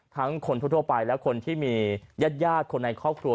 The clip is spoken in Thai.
คนทั่วไปและคนที่มีญาติคนในครอบครัว